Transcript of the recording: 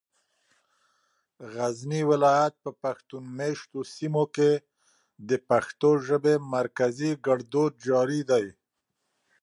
غزني ولايت په پښتون مېشتو سيمو کې د پښتو ژبې مرکزي ګړدود جاري دی.